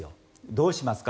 どうしますか？